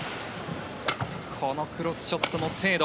このクロスショットの精度。